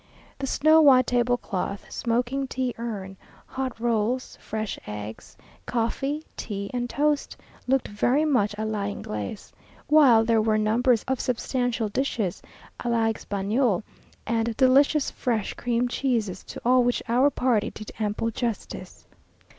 The snow white table cloth, smoking tea urn, hot rolls, fresh eggs, coffee, tea, and toast looked very much a l'Anglaise, while there were numbers of substantial dishes a l'Espagnole, and delicious fresh cream cheeses, to all which our party did ample justice.